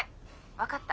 分かった。